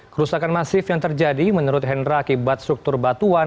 kerusakan masif yang terjadi menurut hendra akibat struktur batuan